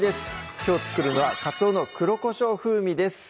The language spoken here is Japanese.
きょう作るのは「かつおの黒胡椒風味」です